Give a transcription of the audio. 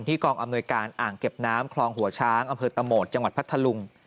กองอำนวยการอ่างเก็บน้ำคลองหัวช้างอำเภอตะโหมดจังหวัดพัทธลุง